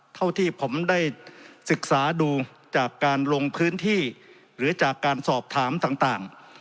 เท่าที่ผมได้ศึกษาดูจากการลงพื้นที่หรือจากการสอบถามต่าง